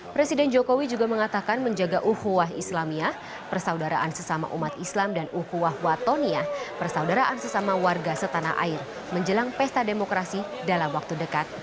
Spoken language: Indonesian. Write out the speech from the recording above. presiden jokowi juga mengatakan menjaga uhuah islamiyah persaudaraan sesama umat islam dan uhuah watonia persaudaraan sesama warga setanah air menjelang pesta demokrasi dalam waktu dekat